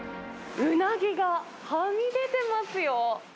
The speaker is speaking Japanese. うなぎがはみ出てますよ。